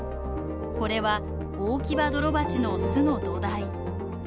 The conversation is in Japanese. これはオオキバドロバチの巣の土台。